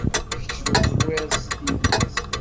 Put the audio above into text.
Kečč d uẓwir s tidet.